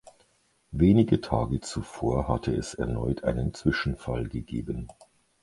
Wenige Tage zuvor hatte es erneut einen Zwischenfall gegeben.